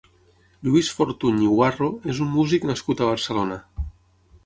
Lluís Fortuny i Guarro és un músic nascut a Barcelona.